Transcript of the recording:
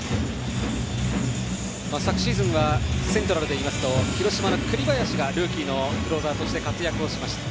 昨シーズンはセントラルでいいますと広島の栗林がルーキーのクローザーとして活躍をしました。